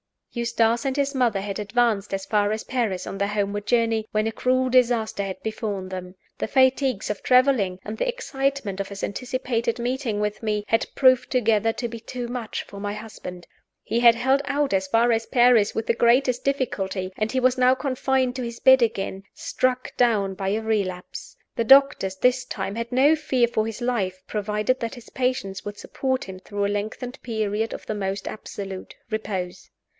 Eustace and his mother had advanced as far as Paris on their homeward journey, when a cruel disaster had befallen them. The fatigues of traveling, and the excitement of his anticipated meeting with me, had proved together to be too much for my husband. He had held out as far as Paris with the greatest difficulty; and he was now confined to his bed again, struck down by a relapse. The doctors, this time, had no fear for his life, provided that his patience would support him through a lengthened period of the most absolute repose.